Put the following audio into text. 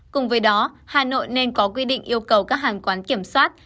cùng với đó hà nội nên có quy định yêu cầu các hàng quán kiểm soát